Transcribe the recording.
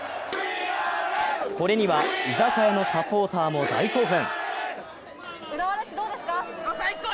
これには、居酒屋のサポーターも大興奮。